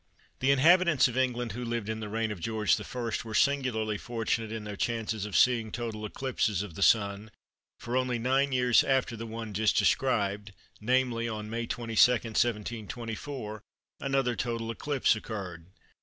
The inhabitants of England who lived in the reign of George I. were singularly fortunate in their chances of seeing total eclipses of the Sun, for only nine years after the one just described, namely, on May 22, 1724, another total eclipse occurred.